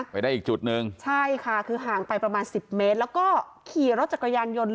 ไปได้อีกจุดหนึ่งใช่ค่ะคือห่างไปประมาณสิบเมตรแล้วก็ขี่รถจักรยานยนต์